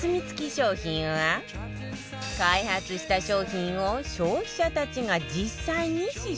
商品は開発した商品を消費者たちが実際に試食